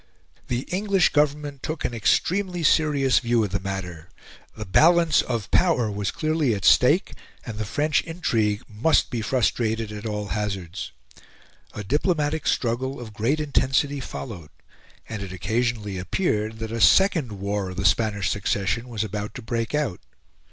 The English Government took an extremely serious view of the matter; the balance of power was clearly at stake, and the French intrigue must be frustrated at all hazards. A diplomatic struggle of great intensity followed; and it occasionally appeared that a second War of the Spanish Succession was about to break out.